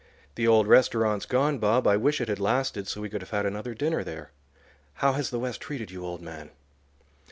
The old restaurant's gone, Bob; I wish it had lasted, so we could have had another dinner there. How has the West treated you, old man?"